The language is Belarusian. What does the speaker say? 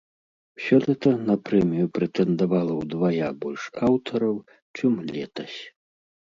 Сёлета на прэмію прэтэндавала ўдвая больш аўтараў, чым летась.